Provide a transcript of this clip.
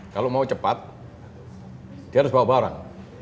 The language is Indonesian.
kalau mau cepat dia harus bawa barang